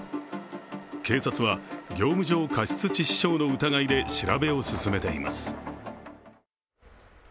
警察は、業務上過失致死傷の疑いで調べを進めています。